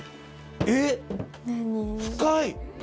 えっ深い！